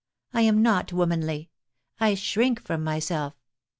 I am not womanly. I shrink from myself.